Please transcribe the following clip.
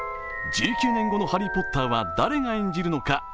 １９年後のハリー・ポッターは誰が演じるのか